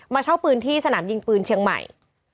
เช่าปืนที่สนามยิงปืนเชียงใหม่